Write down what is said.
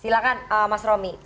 silahkan mas romi